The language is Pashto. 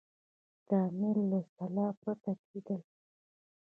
د امیر له سلا پرته کېدلې.